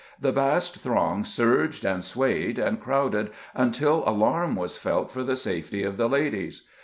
The vast throng surged and swayed and crowded until alarm was felt for the safety of the ladies.